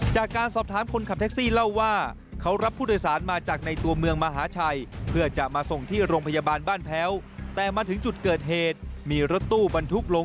จากการสอบถามคนขับแท็กซี่เล่าว่า